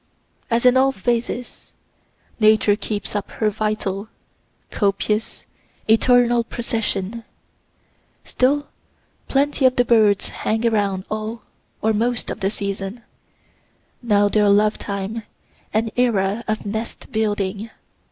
As in all phases, Nature keeps up her vital, copious, eternal procession. Still, plenty of the birds hang around all or most of the season now their love time, and era of nest building.